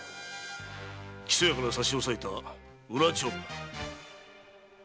木曽屋から差し押さえた裏帳簿だ。